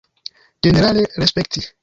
Ĝenerale respekti!